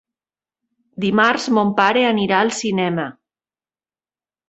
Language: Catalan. Dimarts mon pare anirà al cinema.